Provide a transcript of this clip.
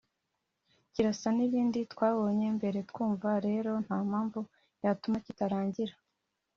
kirasa n’ibindi twabonye mbere twumva ; rero nta mpamvu yatuma kitarangira